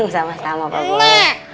sama sama pak boleh